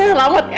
bapak selamat ya